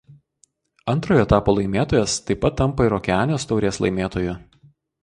Antrojo etapo laimėtojas taip pat tampa ir Okeanijos taurės laimėtoju.